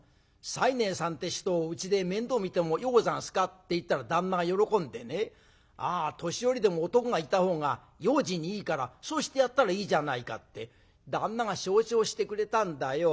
西念さんって人をうちで面倒見てもよござんすかって言ったら旦那が喜んでねあ年寄りでも男がいた方が用心にいいからそうしてやったらいいじゃないかって旦那が承知をしてくれたんだよ。